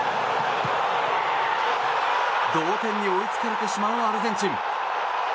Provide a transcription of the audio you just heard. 同点に追いつかれてしまうアルゼンチン。